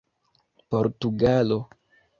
portugalo